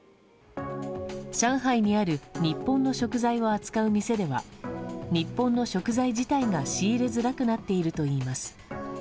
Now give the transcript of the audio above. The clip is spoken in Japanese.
上海にある日本の食材を扱う店では日本の食材自体が仕入れづらくなっているといいます。